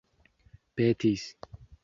petis